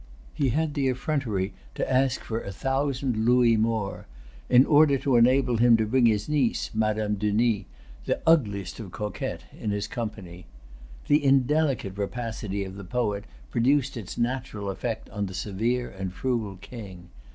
He had the effrontery to ask for a thousand louis more, in order to enable him to bring his niece, Madame Denis, the ugliest of coquettes, in his company. The indelicate rapacity of the poet produced its natural effect on the severe and frugal King.